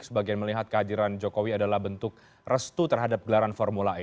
sebagian melihat kehadiran jokowi adalah bentuk restu terhadap gelaran formula e